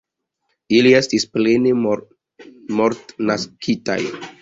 Ili estis plene mortnaskitaj.